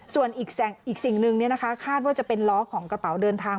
ส่วนอีกสิ่งหนึ่งคาดว่าจะเป็นล้อของกระเป๋าเดินทาง